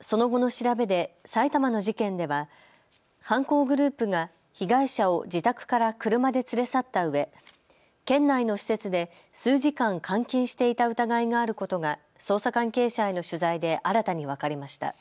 その後の調べで、さいたまの事件では犯行グループが被害者を自宅から車で連れ去ったうえ県内の施設で数時間、監禁していた疑いがあることが捜査関係者への取材で新たに分かりました。